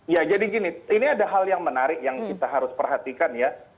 ya jadi gini ini ada hal yang menarik yang kita harus perhatikan ya